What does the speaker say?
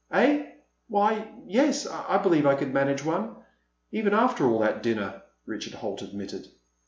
"Eh—why, yes, I believe I could manage one—even after all that dinner," Richard Holt admitted.